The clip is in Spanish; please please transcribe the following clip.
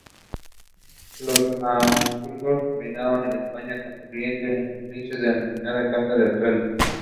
Los Habsburgo reinaron en España constituyendo la estirpe denominada "Casa de Austria".